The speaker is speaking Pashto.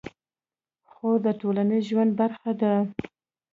خور د ټولنیز ژوند برخه ده.